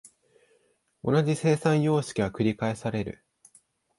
同じ生産様式が繰返される。